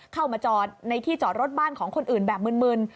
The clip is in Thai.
เข้ามาจอดในที่จอดรถบ้านของคนอื่นแบบมึน